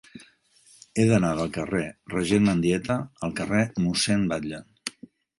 He d'anar del carrer del Regent Mendieta al carrer de Mossèn Batlle.